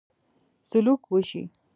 سلوک وشي.